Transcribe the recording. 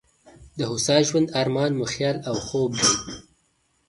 د هوسا ژوند ارمان مو خیال او خوب دی.